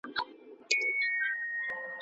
ابن خلدون وايي چي د دولت د زوال پړه پر اخلاقو ده.